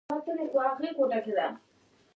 ساتونکی راغی او له عسکري بوټو سره یې پر لاس وخوت.